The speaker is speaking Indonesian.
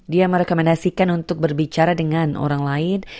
dia merekomendasikan untuk berbicara dengan orang lain